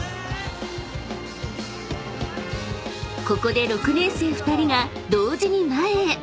［ここで６年生２人が同時に前へ］